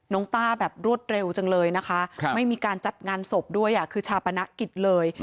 ต้าแบบรวดเร็วจังเลยนะคะไม่มีการจัดงานศพด้วยคือชาปนกิจเลย